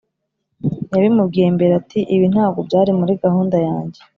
yabimubwiye mbere ati: "ibi ntabwo byari muri gahunda yanjye."